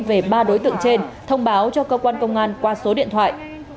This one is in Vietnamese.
về ba đối tượng trên thông báo cho cơ quan công an qua số điện thoại